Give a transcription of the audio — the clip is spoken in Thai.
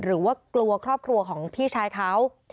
หรือว่ากลัวครอบครัวของพี่ชายเขา